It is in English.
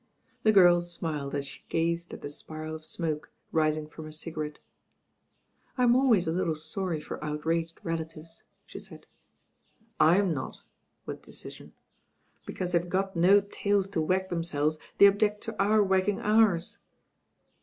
The girl smiled as she gazed at the spiral of smoke rising from her cigarette. "I'm always a little sorry for outraged rela tives," she said. 86 THE RAIN GIRL "I'm not," with decision. "Because theyVc got no tails to wag themselves, they object to our wag* ging ours."